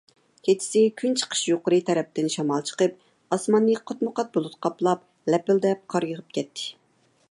كېچىسى كۈنچىقىش يۇقىرى تەرەپتىن شامال چىقىپ، ئاسماننى قاتمۇقات بۇلۇت قاپلاپ، لەپىلدەپ قار يېغىپ كەتتى.